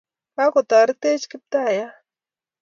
kokotoretech kiptayat